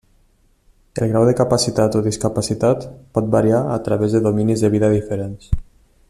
El grau de capacitat o discapacitat pot variar a través de dominis de vida diferents.